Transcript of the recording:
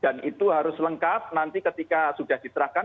dan itu harus lengkap nanti ketika sudah diterahkan